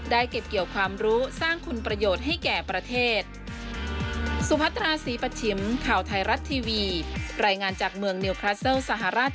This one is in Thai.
เก็บเกี่ยวความรู้สร้างคุณประโยชน์ให้แก่ประเทศ